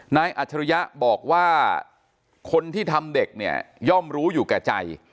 อัจฉริยะบอกว่าคนที่ทำเด็กเนี่ยย่อมรู้อยู่แก่ใจ